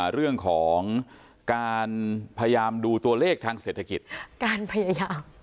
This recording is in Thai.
เรื่องของการพยายามดูตัวเลขทางเศรษฐกิจ